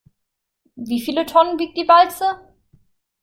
Wie viele Tonnen wiegt die Walze?